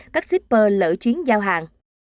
các shipper lỡ chuyến giao hàng